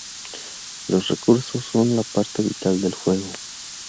Los recursos son la parte vital del juego.